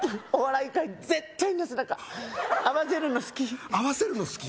うん合わせるの好き